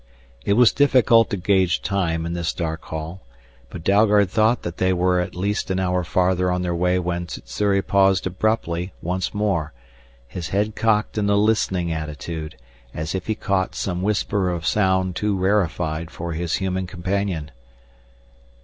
It was difficult to gauge time in this dark hall, but Dalgard thought that they were at least an hour farther on their way when Sssuri paused abruptly once more, his head cocked in a listening attitude, as if he caught some whisper of sound too rarefied for his human companion.